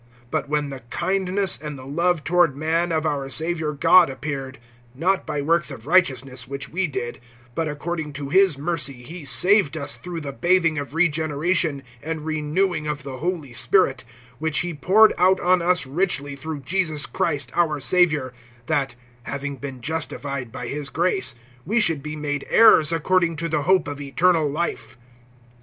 (4)But when the kindness and the love toward man of our Savior God appeared, (5)not by works of righteousness which we did, but according to his mercy he saved us, through the bathing of regeneration, and renewing of the Holy Spirit; (6)which he poured out on us richly through Jesus Christ our Savior; (7)that, having been justified by his grace, we should be made heirs according to the hope of eternal life.